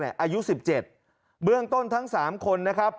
อายุ๑๗บต้นทั้ง๓คนนะครับ